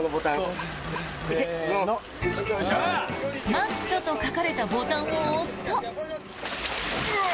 「マッチョ」と書かれたボタンを押すと。